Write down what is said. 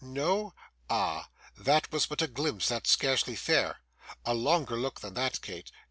No? Ah! that was but a glimpse; that's scarcely fair. A longer look than that, Kate.